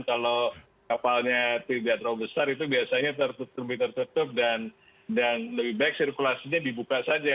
kalau kapalnya tidak terlalu besar itu biasanya lebih tertutup dan lebih baik sirkulasinya dibuka saja